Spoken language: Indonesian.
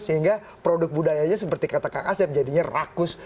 sehingga produk budayanya seperti kata kak asep jadinya rakus